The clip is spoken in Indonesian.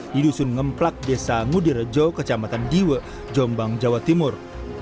di dusun ngemplak desa ngudi rejo kecamatan diwe jombang jawa timur